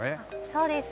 そうです。